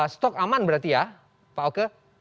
stok aman berarti ya pak oke